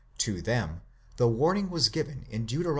To them the warning was given in Deut.